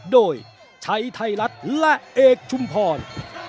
โดยชัยไทยรัฐและเอกชุมพร